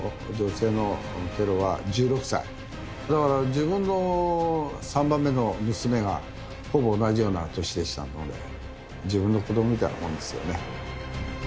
自分の３番目の娘がほぼ同じような年でしたので自分の子供みたいなもんですよね